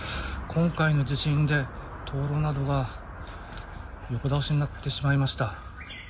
今回の地震で灯籠などが横倒しになってしまいました。